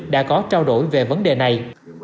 đã có trao đổi về vấn đề này